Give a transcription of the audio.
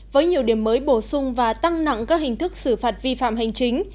với nhiều điểm mới bổ sung và tăng nặng các hình thức xử phạt vi phạm hành chính